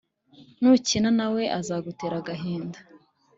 nukina na we, azagutera agahinda.